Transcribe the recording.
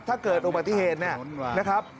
ถ้าเกิดอุปัติเหตุนะครับ